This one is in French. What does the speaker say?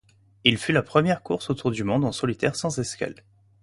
Il fut la première course autour du monde en solitaire sans escale.